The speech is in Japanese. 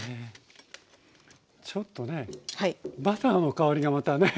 ちょっとねバターの香りがまたね。